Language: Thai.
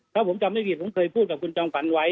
ถ้าผมจำไม่ผิดผมเคยพูดกับคุณจอมฝันไว้